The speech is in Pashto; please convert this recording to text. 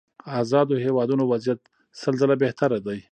ازادو هېوادونو وضعيت سل ځله بهتره دي.